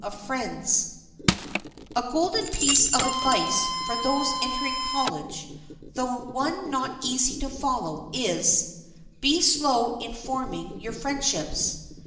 [Sidenote: FORMING FRIENDSHIPS] A golden piece of advice for those entering college, though one not easy to follow, is: "Be slow in forming your friendships."